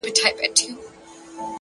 عجب راگوري د خوني سترگو څه خون راباسـي-